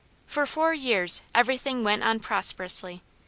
For four years everything went on prosperously.